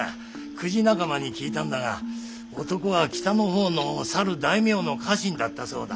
くじ仲間に聞いたんだが男は北の方のさる大名の家臣だったそうだ。